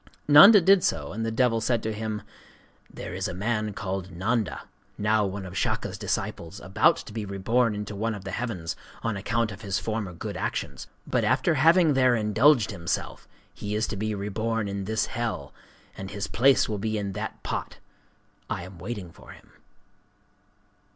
Nanda did so; and the devil said to him: 'There is a man called Nanda,—now one of Shaka's disciples,—about to be reborn into one of the heavens, on account of his former good actions. But after having there indulged himself, he is to be reborn in this hell; and his place will be in that pot. I am waiting for him.